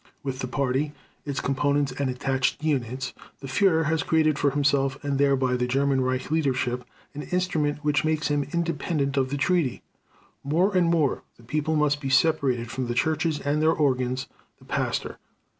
With the Party, its components and attached units, the Führer has created for himself and thereby the German Reich Leadership, an instrument which makes him independent of the Treaty .... More and more the people must be separated from the churches and their organs, the pastor